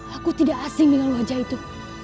aku tidak asing dengan wajah itu